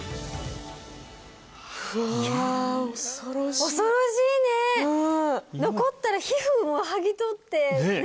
うわ恐ろしい恐ろしいね残ったら皮膚も剥ぎ取ってねえ？